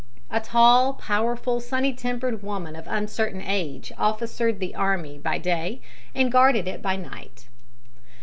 A tall, powerful, sunny tempered woman of uncertain age officered the army by day and guarded it by night.